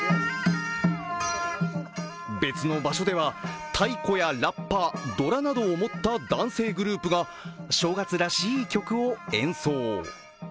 別の場所では太鼓やラッパ、ドラなどを持った男性グループが正月らしい曲を演奏。